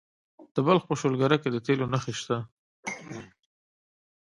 د بلخ په شولګره کې د تیلو نښې شته.